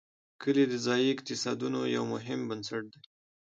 کلي د ځایي اقتصادونو یو مهم بنسټ دی.